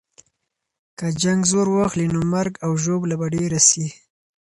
که جنګ زور واخلي، نو مرګ او ژوبله به ډېره سي.